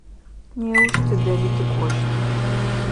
Неущ тыдэми тыкӏощт.